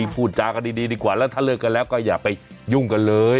พูดจากันดีดีกว่าแล้วถ้าเลิกกันแล้วก็อย่าไปยุ่งกันเลย